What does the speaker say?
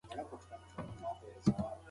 خلک هغوی ته د عزت په سترګه ګوري.